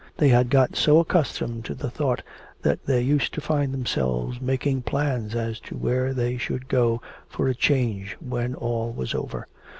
They had got so accustomed to the thought that they used to find themselves making plans as to where they should go for a change when all was over.